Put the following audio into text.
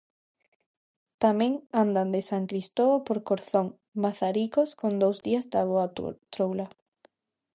Tamén andan de San Cristovo por Corzón, Mazaricos, con dous días de boa troula.